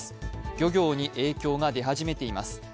漁業に影響が出始めています。